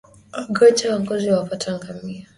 Ugonjwa wa ngozi huwapata ngamia